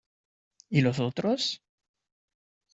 ¿ y los otros?